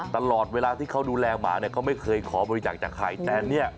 ตลอดเวลาที่เค้าดูแลหมาไม่เคยขอบริจักษ์จากใคร